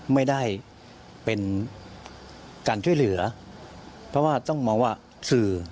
ไม่ได้เป็นการช่วยเหลือเพราะว่าต้องมองว่าสื่อ